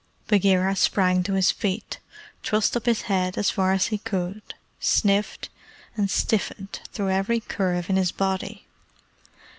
Bagheera sprang to his feet, thrust up his head as far as he could, sniffed, and stiffened through every curve in his body.